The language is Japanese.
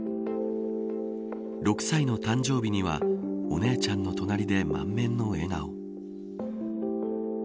６歳の誕生日にはお姉ちゃんの隣で満面の笑顔。